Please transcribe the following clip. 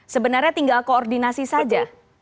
sebenarnya tinggal koordinasi saja